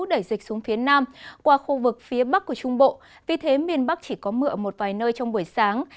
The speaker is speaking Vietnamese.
đẩy dịch xuống phía nam qua khu vực phía bắc của trung bộ vì thế miền bắc chỉ có mưa một vài nơi trong buổi sáng